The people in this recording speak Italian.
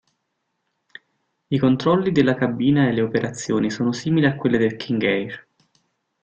I controlli della cabina e le operazioni sono simili a quelli del King Air.